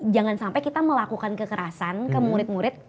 jangan sampai kita melakukan kekerasan ke murid murid